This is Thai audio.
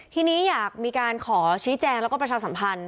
ทีนี้อยากมีการขอชี้แจงแล้วก็ประชาสัมพันธ์